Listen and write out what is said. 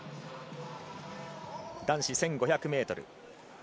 男子１５００ｍ。